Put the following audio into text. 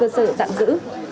sự tạm giữ